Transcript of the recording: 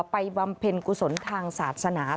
บำเพ็ญกุศลทางศาสนา